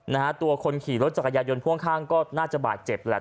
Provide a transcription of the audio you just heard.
นะฮะตัวคนขี่รถจักรยายนพ่วงข้างก็น่าจะบาดเจ็บแหละ